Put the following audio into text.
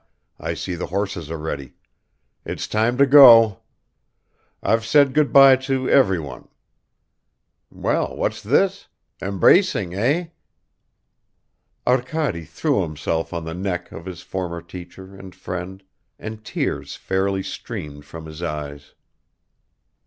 I see the horses are ready. It's time to go. I've said good by to everyone ... well, what's this? Embracing, eh?" Arkady threw himself on the neck of his former teacher and friend, and tears fairly streamed from his eyes.